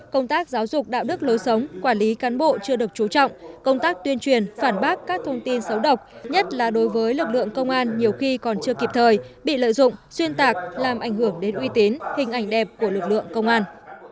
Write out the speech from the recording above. công tác giáo dục đạo đức lối sống quản lý cán bộ chưa được trú trọng công tác tuyên truyền phản bác các thông tin xấu độc nhất là đối với lực lượng công an nhiều khi còn chưa kịp thời bị lợi dụng xuyên tạc làm ảnh hưởng đến uy tín hình ảnh đẹp của lực lượng công an